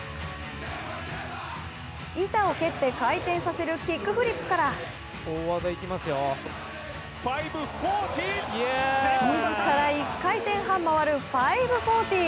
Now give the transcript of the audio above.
板を蹴って回転させるキックフリップから自ら１回転半回る５４０。